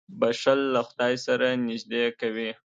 • بښل له خدای سره نېږدې کوي.